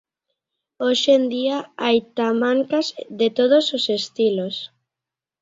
Hoxe en día hai tamancas de todos os estilos.